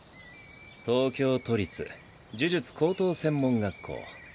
東京都立呪術高等専門学校。